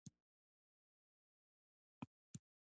د تلویزون غږ په ټوله خونه کې خپور و.